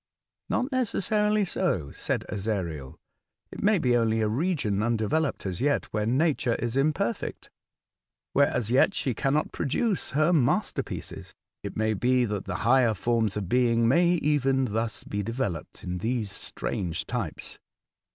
'' Not necessarily so," said Ezariel ; '4t may be only a region undeveloped as yet, where Nature is imperfect, — where as yet she cannot produce her masterpieces. It may be that the higher forms of being may even thus be de veloped in these strange types."